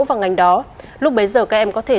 vào ngành đó lúc bấy giờ các em có thể